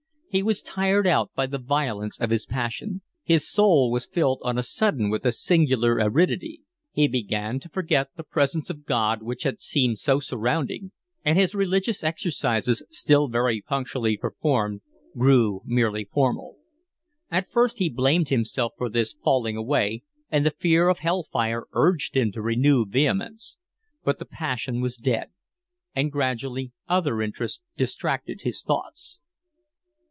He was tired out by the violence of his passion. His soul was filled on a sudden with a singular aridity. He began to forget the presence of God which had seemed so surrounding; and his religious exercises, still very punctually performed, grew merely formal. At first he blamed himself for this falling away, and the fear of hell fire urged him to renewed vehemence; but the passion was dead, and gradually other interests distracted his thoughts.